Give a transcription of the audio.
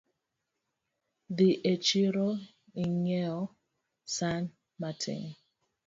Dhi e chiro ing'iewna san matin